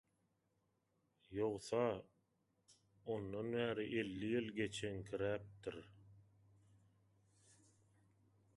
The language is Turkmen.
ýogsa ondan bäri elli ýyl geçeňkirläpdir